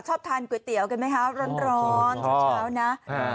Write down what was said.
ชอบทานก๋วยเตี๋ยวกันไหมคะร้อนร้อนเช้านะ